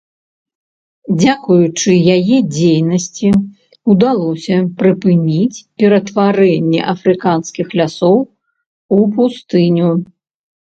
Дзякуючы яе дзейнасці ўдалося прыпыніць ператварэнне афрыканскіх лясоў у пустыню.